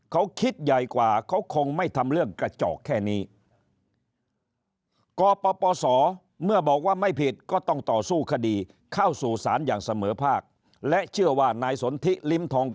เขาคิดใหญ่กว่าเขาคงไม่ทำเรื่องกระจอกแค่นี้